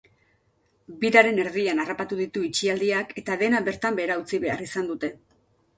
Biraren erdian harrapatu ditu itxialdiak eta dena bertan behera utzi behar izan dute.